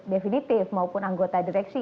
definitif maupun anggota direksi